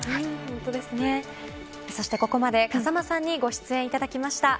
そしてここまで、風間さんにご出演いただきました。